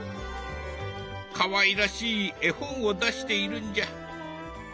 かわいらしい絵本を出しているんじゃ。